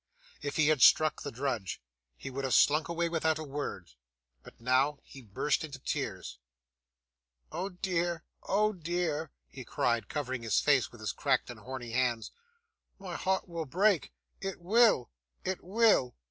If he had struck the drudge, he would have slunk away without a word. But, now, he burst into tears. 'Oh dear, oh dear!' he cried, covering his face with his cracked and horny hands. 'My heart will break. It will, it will.